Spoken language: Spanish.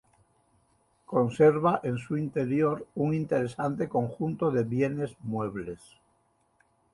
Conserva en su interior un interesante conjunto de bienes muebles.